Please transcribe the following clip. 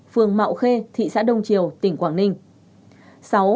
phường mạo khê thị xã đông triều tỉnh quảng ninh